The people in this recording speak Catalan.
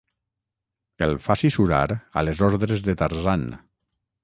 El faci surar a les ordres de Tarzan.